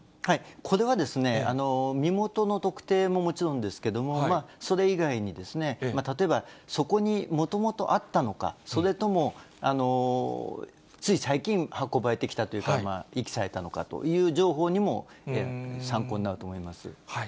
これはですね、身元の特定ももちろんですけれども、それ以外に、例えばそこにもともとあったのか、それともつい最近、運ばれてきたというか、遺棄されたのかという情報にも、参考になると思います。